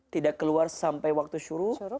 tidak keluar sampai waktu syuruh